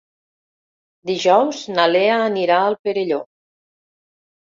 Dijous na Lea anirà al Perelló.